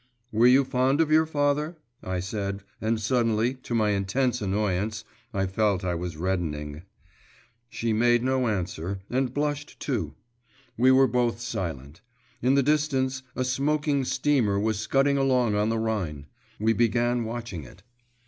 'Were you fond of your father?' I said, and suddenly, to my intense annoyance, I felt I was reddening. She made no answer, and blushed too. We were both silent. In the distance a smoking steamer was scudding along on the Rhine. We began watching it.